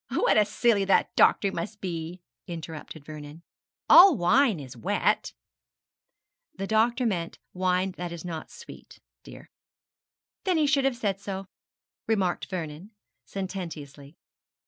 'What a silly that doctor must be!' interrupted Vernon; 'all wine is wet.' 'The doctor meant wine that is not sweet, dear.' 'Then he should have said so,' remarked Vernon, sententiously.